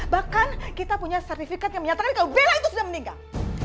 bahkan kita punya sertifikat yang menyatakan kalau bella itu sudah meninggal